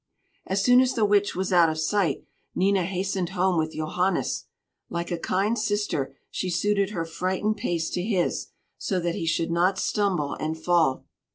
As soon as the Witch was out of sight, Nina hastened home with Johannes. Like a kind sister she suited her frightened pace to his, so that he should not stumble and fall.